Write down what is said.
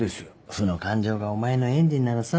負の感情がお前のエンジンならさ